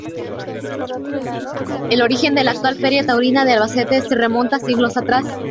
El origen de la actual Feria Taurina de Albacete se remonta siglos atrás.